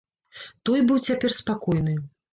Той быў цяпер спакойны.